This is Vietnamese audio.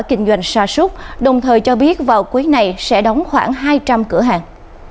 kinh doanh xa súc đồng thời cho biết vào cuối này sẽ đóng khoảng hai trăm linh cửa hàng